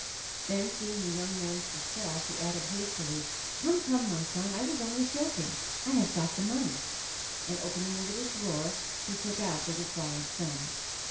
Then, seeing the young man's distress, he added hastily: "Come come, my son, I was only joking, I have got the money," and, opening a little drawer, he took out the required sum.